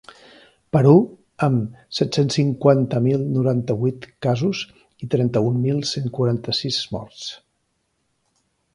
Perú, amb set-cents cinquanta mil noranta-vuit casos i trenta-un mil cent quaranta-sis morts.